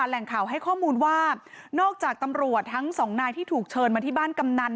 แหล่งข่าวให้ข้อมูลว่านอกจากตำรวจทั้งสองนายที่ถูกเชิญมาที่บ้านกำนัน